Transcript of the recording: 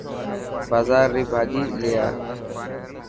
بازار ري ڀاڄي لي آءِ.